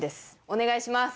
お願いします